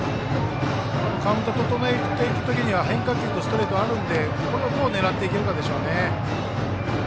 カウントを整えていく時には変化球とストレートがあるのでこれをどう狙っていけるかでしょうね。